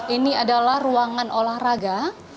ini adalah ruangan olahraga